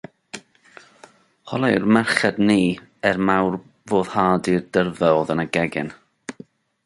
Holai'r merched ni, er mawr foddhad i'r dyrfa oedd yn y gegin.